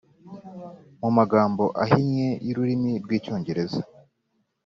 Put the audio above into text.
mu magambo ahinnye y’ururimi rw’icyongereza